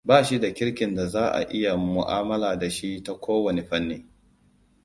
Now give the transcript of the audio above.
Bashi da kirkin da za a iya mu'amala da shi to kowane fanni.